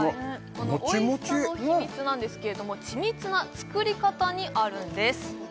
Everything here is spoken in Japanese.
このおいしさの秘密なんですけれども緻密な作り方にあるんです